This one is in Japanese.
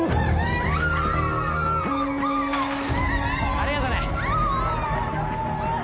ありがとね